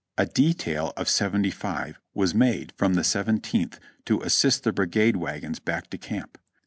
A detail of seventy five was made from the Seventeenth to assist the brigade wagons back to camp.